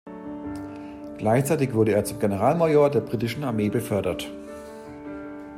Gleichzeitig wurde er zum Generalmajor der britischen Armee befördert.